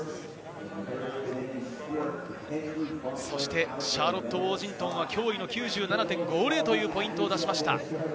そしてシャーロット・ウォージントンは驚異の９７．５０というポイントを出しました。